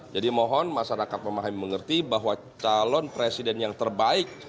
jadi mohon masyarakat pemahami mengerti bahwa calon presiden yang terbaik